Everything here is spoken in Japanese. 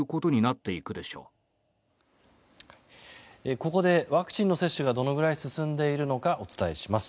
ここで、ワクチンの接種がどのくらい進んでいるのかお伝えします。